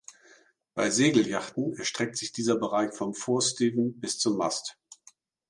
Bei Segelyachten erstreckt sich dieser Bereich vom Vorsteven bis zum Mast.